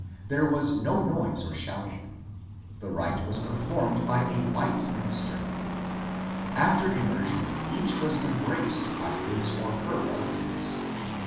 There was no noise 28 MONCURE DANIEL CONWAY or shouting. The rite was performed by a white minister. After immersion each was embraced by his or her relatives.